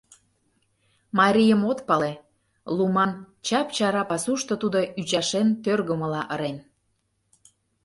Марийым от пале: луман чап-чара пасушто тудо ӱчашен тӧргымыла ырен.